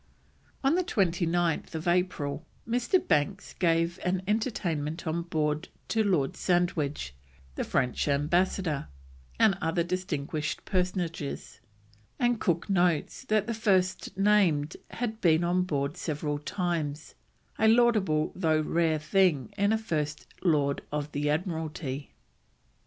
On 29th April, Mr. Banks gave an entertainment on board to Lord Sandwich, the French Ambassador, and other distinguished personages, and Cook notes that the first named had been on board several times, "a laudable tho ' rare thing in a First Lord of the Admiralty."